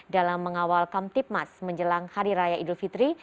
dalam mengawal kamtip mas menjelang hari raya idul fitri